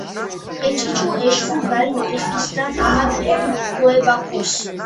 ეჩეჩუ ეშხუ ზა̈ჲ მეტეხისგა ამა̄დ, ჲერუ თუ̂ე ბაქოს.